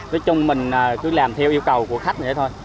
nói chung mình cứ làm theo yêu cầu của khách vậy thôi